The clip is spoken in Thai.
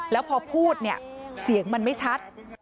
แล้วพอพูดเนี่ยเสียงมันไม่ชัด